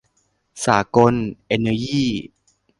สากล เอนเนอยี